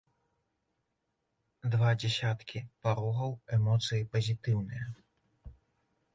Два дзясяткі парогаў, эмоцыі пазітыўныя.